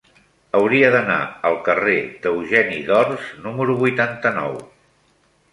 Hauria d'anar al carrer d'Eugeni d'Ors número vuitanta-nou.